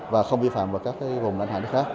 và không vi phạm vào các cơ quan